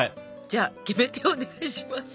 じゃあキメテお願いします。